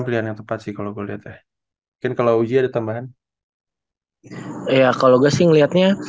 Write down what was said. pilihan yang tepat sih kalau gue lihat ya mungkin kalau uji ada tambahan ya kalau gue sih ngeliatnya